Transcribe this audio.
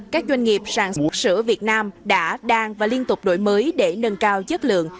các doanh nghiệp sản xuất sữa việt nam đã đang và liên tục đổi mới để nâng cao chất lượng